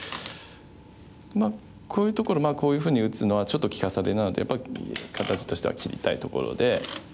まあこういうところこういうふうに打つのはちょっと利かされなのでやっぱり形としては切りたいところで。